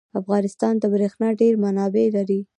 افغانستان د بریښنا ډیر منابع لري.